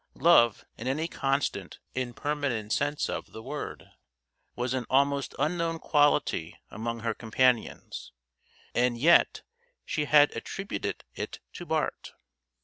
Love, in any constant and permanent sense of the word, was an almost unknown quality among her companions, and yet she had attributed it to Bart.